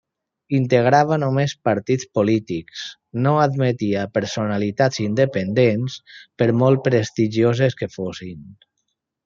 Integrava només partits polítics, no admetia personalitats independents per molt prestigioses que fossin.